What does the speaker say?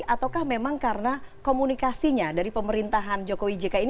ataukah memang karena komunikasinya dari pemerintahan joko widjika ini